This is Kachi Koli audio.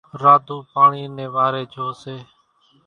راڌُو پاڻِي نيَ واريَ جھو سي۔